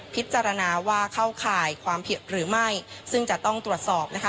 พิจารณาว่าเข้าข่ายความผิดหรือไม่ซึ่งจะต้องตรวจสอบนะคะ